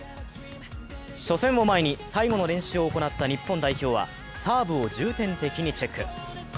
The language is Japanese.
初戦を前に最後の練習を行った日本代表はサーブを重点的にチェック。